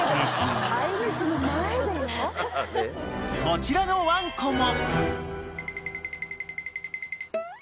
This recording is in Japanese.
［こちらのワンコも］